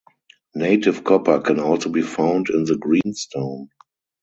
Native copper can also be found in the greenstone.